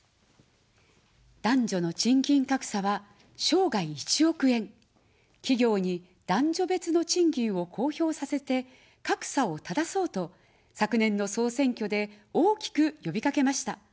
男女の賃金格差は生涯１億円、企業に男女別の賃金を公表させて、格差をただそうと昨年の総選挙で大きくよびかけました。